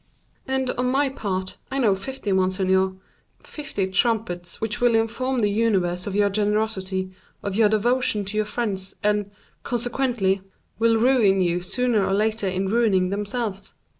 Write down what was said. "And, on my part, I know fifty, monseigneur; fifty trumpets, which will inform the universe of your generosity, of your devotion to your friends, and, consequently, will ruin you sooner or later in ruining themselves."